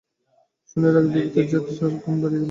শুনিয়া রাগে বিভূতির জেদ চার গুণ বাড়িয়া গেল।